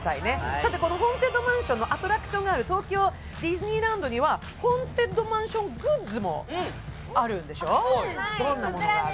さて、「ホーンテッドマンション」のアトラクションのある東京ディズニーランドには「ホーンテッドマンション」グッズもあるんでしょ、どんなものがあるの？